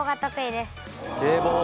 スケボー！